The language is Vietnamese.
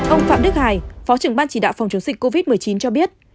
ông phạm đức hải phó trưởng ban chỉ đạo phòng chống dịch covid một mươi chín cho biết